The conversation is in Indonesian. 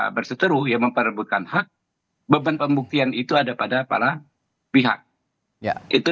berseteru ya memperebutkan hak beban pembuktian itu ada pada para pihak itu